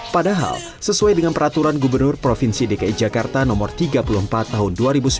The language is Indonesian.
padahal sesuai dengan peraturan gubernur provinsi dki jakarta no tiga puluh empat tahun dua ribu sembilan belas